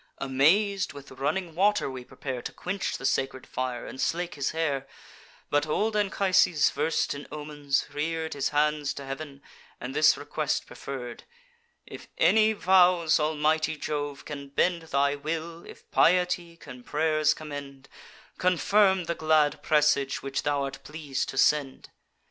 Amaz'd, with running water we prepare To quench the sacred fire, and slake his hair; But old Anchises, vers'd in omens, rear'd His hands to heav'n, and this request preferr'd: 'If any vows, almighty Jove, can bend Thy will; if piety can pray'rs commend, Confirm the glad presage which thou art pleas'd to send.